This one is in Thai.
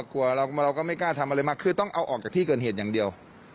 เราก็ไม่กล้าทำอะไรมากคือต้องเอาออกจากที่เกิดเหตุอย่างเดียว